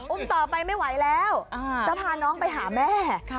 ต่อไปไม่ไหวแล้วจะพาน้องไปหาแม่